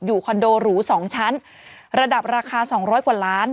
คอนโดหรู๒ชั้นระดับราคา๒๐๐กว่าล้าน